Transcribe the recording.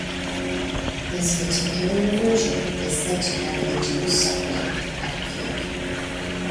This particular version is said to have a "deuce", "flank" backfield.